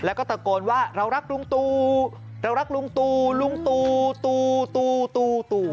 แล้วก็ตะโกนว่าเรารักลุงตูเรารักลุงตูลุงตูตู